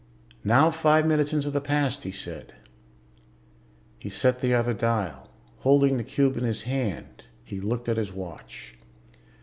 "Now five minutes into the past." He set the other dial. Holding the cube in his hand he looked at his watch.